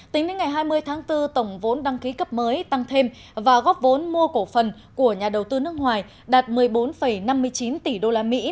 tính đến ngày hai mươi tháng bốn tổng vốn đăng ký cấp mới tăng thêm và góp vốn mua cổ phần của nhà đầu tư nước ngoài đạt một mươi bốn năm mươi chín tỷ usd